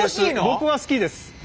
僕は好きです。